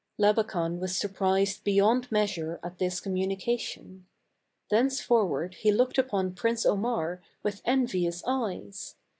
Labakan was surprised beyond measure at this communication. Thenceforward he looked upon Prince Omar with envious eyes.